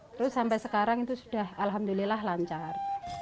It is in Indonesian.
terus sampai sekarang itu sudah alhamdulillah lancar